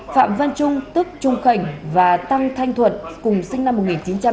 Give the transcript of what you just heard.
phạm văn trung tức trung khảnh và tăng thanh thuận cùng sinh năm một nghìn chín trăm chín mươi một